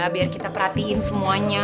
biar kita perhatiin semuanya